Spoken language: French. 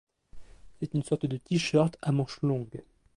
C'est une sorte de tee-shirt à manches longues.